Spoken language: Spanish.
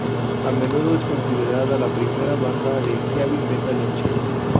A menudo es considerada la primera banda de heavy metal en China.